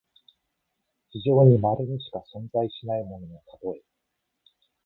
非常にまれにしか存在しないもののたとえ。